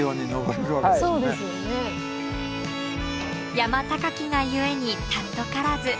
山高きが故に貴からず。